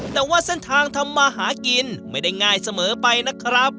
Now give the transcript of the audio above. แต่ว่าเส้นทางทำมาหากินไม่ได้ง่ายเสมอไปนะครับ